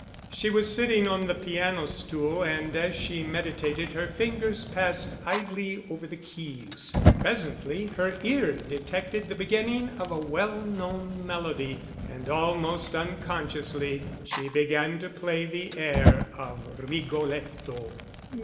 She was sitting on the piano stool, and as she meditated, her fingers passed idly over the keys. Presently her ear detected the beginning of a well known melody, and almost unconsciously she began to play the air of Rigoletto.